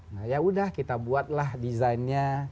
nah yaudah kita buat lah designnya